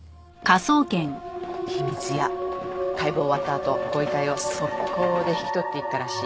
秘密屋解剖終わったあとご遺体を即行で引き取っていったらしい。